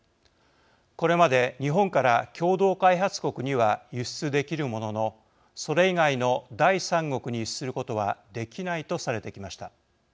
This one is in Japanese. これまで日本から共同開発国には輸出できるもののそれ以外の第三国に輸出することはできないとされてきました。